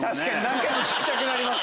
何回も聞きたくなります。